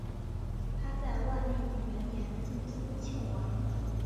他在万历元年晋封庆王。